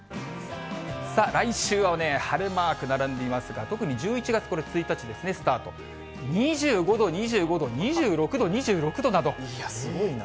さあ、来週は晴れマーク並んでいますが、特に１１月１日ですね、スタート、２５度、２５度、２６度、２６度いや、すごいな。